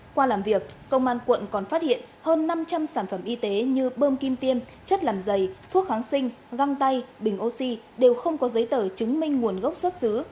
qua làm việc công an quận còn phát hiện hơn năm trăm linh sản phẩm y tế như bơm kim tiêm chất làm dày thuốc kháng sinh găng tay bình oxy đều không có giấy tờ chứng minh nguồn gốc xuất xứ